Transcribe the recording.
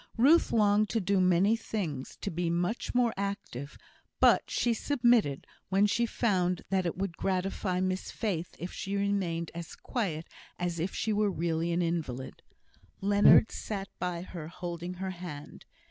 Ruth longed to do many things; to be much more active; but she submitted, when she found that it would gratify Miss Faith if she remained as quiet as if she were really an invalid. Leonard sat by her holding her hand.